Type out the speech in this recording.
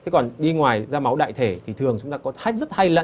còn đi ngoài ra máu đại thể thì thường chúng ta có thách rất hay lợi